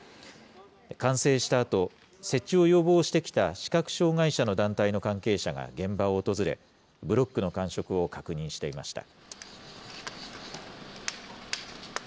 完成したあと、設置を要望してきた視覚障害者の団体の関係者が現場を訪れ、ブロックの感触を確認していました。